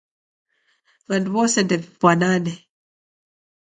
W'andu wose ndew'ifwanane.